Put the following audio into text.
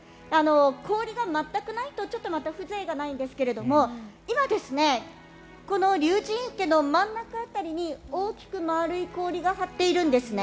氷が全くないとちょっとまた風情がないんですが今、竜神池の真ん中辺りに大きく丸い氷が張っているんですね。